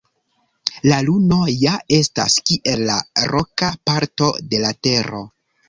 La Luno ja estas kiel la roka parto de la Tero.